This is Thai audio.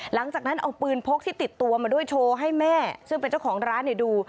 หลังจากนั้นเอาปืนพกที่ติดตัวมาด้วยโชว์ให้แม่ซึ่งเป็นเจ้าของร้านดู